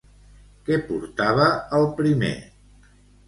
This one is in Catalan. Què portava el primer?